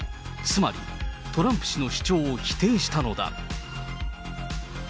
つまり、トランプ氏の主張を否定したのだ。